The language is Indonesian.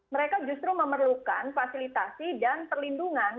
mereka justru memerlukan fasilitasi dan perlindungan